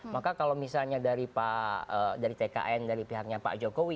maka kalau misalnya dari tkn dari pihaknya pak jokowi